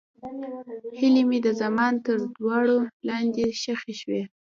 هیلې مې د زمان تر دوړو لاندې ښخې شوې.